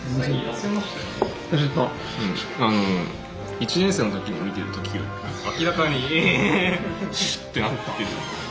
１年生の時に見てる時より明らかにシュッてなってる。